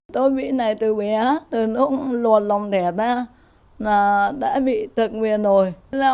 tôi bị này từ bé từ lúc luồn lòng đẻ ra là đã bị thật nguyên rồi